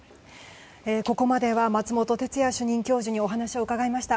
ここまでは松本哲哉主任教授にお話を伺いました。